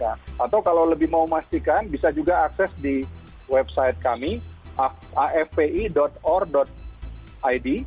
atau kalau lebih mau memastikan bisa juga akses di website kami afpi or id